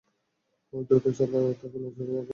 এই, দ্রুত চালা তাকে নজরছাড়া করা যাবে না।